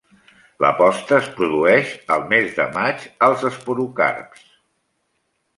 La posta es produeix al mes de maig als esporocarps.